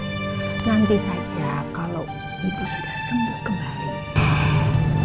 nanti saja kalau ibu sudah sembuh kembali